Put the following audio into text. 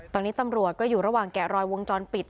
ตอนนี้ตำรวจก็อยู่ระหว่างแกะรอยวงจรปิด